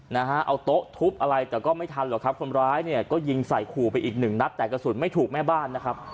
นะฮะเอาโต๊ะทุบอะไรแต่ก็ไม่ทันหรอกครับคนร้ายเนี่ยก็ยิงใส่ขู่ไปอีกหนึ่งนัดแต่กระสุนไม่ถูกแม่บ้านนะครับ